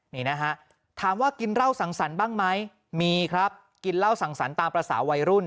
นี่นะฮะถามว่ากินเหล้าสั่งสรรค์บ้างไหมมีครับกินเหล้าสั่งสรรค์ตามภาษาวัยรุ่น